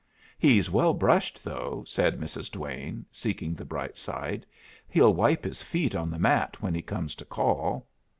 "He's well brushed, though," said Mrs. Duane, seeking the bright side. "He'll wipe his feet on the mat when he comes to call."